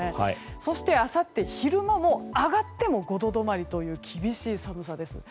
そして、あさって昼間も上がっても５度止まりという厳しい寒さです。